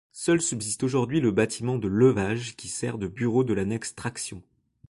Seul subsiste aujourd'hui le bâtiment de levage qui sert de bureau de l'annexe traction.